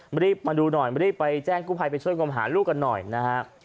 รีบมาดูหน่อยรีบไปแจ้งกู้ภัยไปช่วยงมหาลูกกันหน่อยนะฮะ